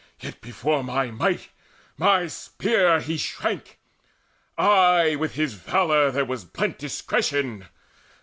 yet before my might, my spear, He shrank. Ay, with his valour was there blent Discretion.